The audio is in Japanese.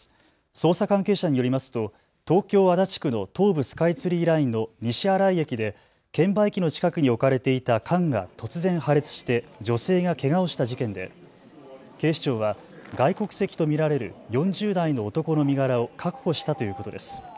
捜査関係者によりますと東京足立区の東武スカイツリーラインの西新井駅で券売機の近くに置かれていた缶が突然、破裂して女性がけがをした事件で警視庁は外国籍と見られる４０代の男の身柄を確保したということです。